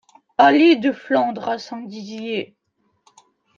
Allée de Flandre à Saint-Dizier